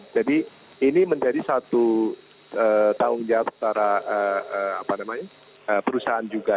jadi ini menjadi satu tanggung jawab secara perusahaan juga